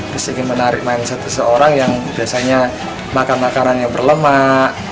terus ingin menarik mindset seseorang yang biasanya makan makanan yang berlemak